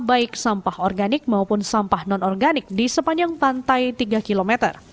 baik sampah organik maupun sampah non organik di sepanjang pantai tiga km